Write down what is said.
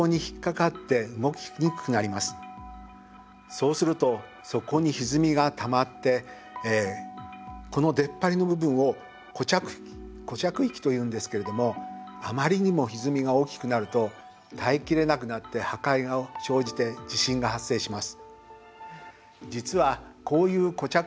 そうするとそこにひずみが溜まってこの出っ張りの部分を「固着域」というんですけれどもあまりにもひずみが大きくなると耐えきれなくなって破壊が生じて地震が発生します。